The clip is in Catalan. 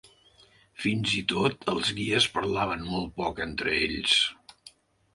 Fins i tot els guies parlaven molt poc entre ells.